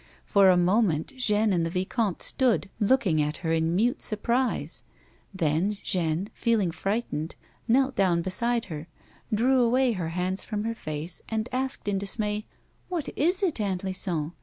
For a moment Jeanne and the vicomte stood looking at her A WOMAN'S LIFE. 51 in mute surprise, then Jeanne, feeling frightened, knelt down beside her, drew away her hands from her face, and asked in dismay :" What is it, Aunt Lison